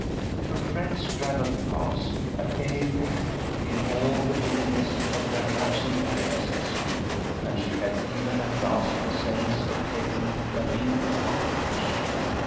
Her friends straggled past, at any rate, in all the vividness of their absent criticism, and she had even at last the sense of taking a mean advantage.